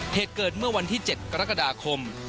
เหตุเกิดเมื่อวันที่๗กรกฎาคม